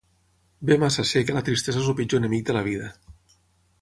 Bé massa sé que la tristesa és el pitjor enemic de la vida.